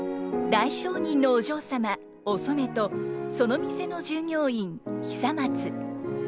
大商人のお嬢様お染とその店の従業員久松。